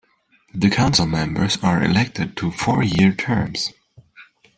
The councilmembers are elected to four-year terms.